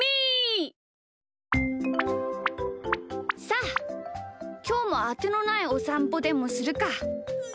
さあきょうもあてのないおさんぽでもするか。